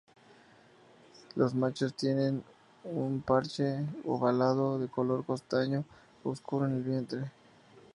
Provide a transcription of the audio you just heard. Los machos tienen un parche ovalado de color castaño oscuro en el vientre.